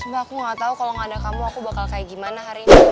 sumpah aku gak tau kalo gak ada kamu aku bakal kayak gimana hari ini